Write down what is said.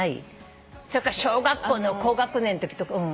それか小学校の高学年のとき。